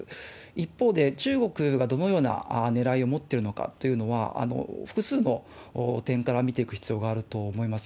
一方で、中国がどのようなねらいを持ってるのかというのは、複数の点から見ていく必要があると思います。